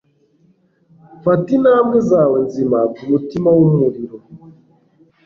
fata intambwe zawe nzima kumutima wumuriro